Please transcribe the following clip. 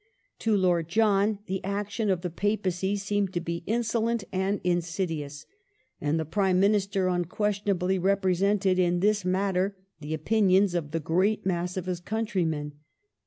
To Lord John the action of the Papacy seemed to be " insolent and insidious "; and the Prime Minister unquestionably represented in this matter the opinions of the great mass of his countrymen.